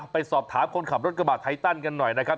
ไปสอบถามคนขับรถกระบะไทตันกันหน่อยนะครับ